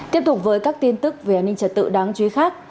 tiếp tục với các tin tức về an ninh trật tự đáng chú ý khác